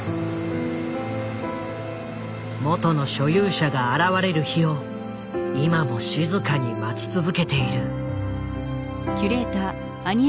元の所有者が現れる日を今も静かに待ち続けている。